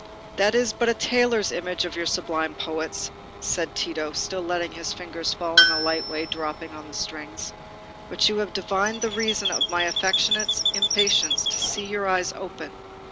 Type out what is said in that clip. "That is but a tailor's image of your sublime poet's," said Tito, still letting his fingers fall in a light dropping way on the strings. "But you have divined the reason of my affectionate impatience to see your eyes open.